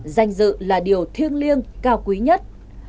danh dự là điều thiêng liêng cao quý nhất